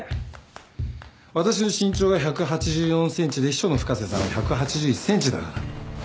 私の身長が１８４ｃｍで秘書の深瀬さんは１８１ｃｍだから。